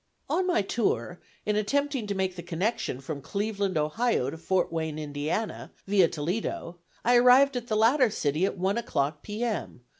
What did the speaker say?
On my tour, in attempting to make the connection from Cleveland, Ohio, to Fort Wayne, Indiana, via Toledo, I arrived at the latter city at one o'clock, P.M.